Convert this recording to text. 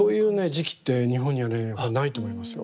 磁器って日本にはねないと思いますよ。